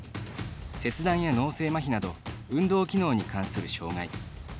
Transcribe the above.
切断や脳性まひなど運動機能に関する障がい。